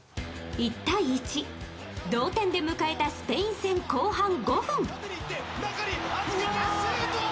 １対１、同点で迎えたスペイン戦後半５分。